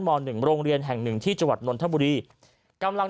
ม๑โรงเรียนแห่ง๑ที่จังหวัดนทบุรีกำลัง